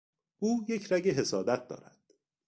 او یک رگ حسادت دارد.